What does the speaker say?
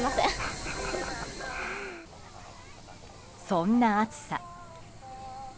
そんな暑さ。